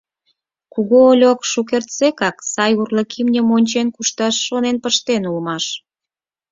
Кугу Ольок шукертсекак сай урлык имньым ончен кушташ шонен пыштен улмаш.